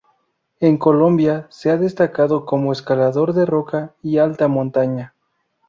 En Colombia se ha destacado como escalador de roca y alta montaña.